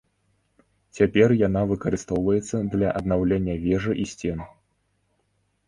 Цяпер яна выкарыстоўваецца для аднаўлення вежы і сцен.